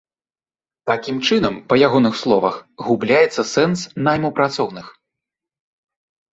Такім чынам, па ягоных словах, губляецца сэнс найму працоўных.